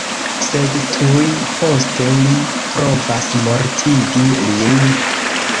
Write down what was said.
Sed tuj poste li provas mortigi lin.